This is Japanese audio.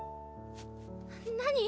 何？